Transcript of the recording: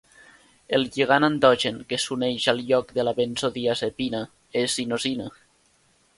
El lligand endogen que s'uneix al lloc de la benzodiazepina és inosina.